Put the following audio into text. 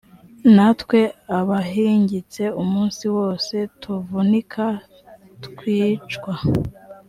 natwe abahingitse umunsi wose tuvunika twicwa